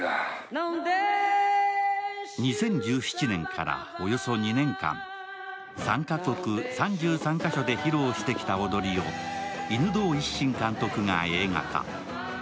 ２０１７年からおよそ２年間、３カ国３３カ所で披露してきた踊りを犬童一心監督が映画化。